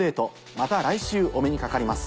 また来週お目にかかります。